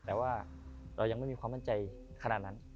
แต่ว่าเรายังไม่มีความมั่นใจขนาดนั้น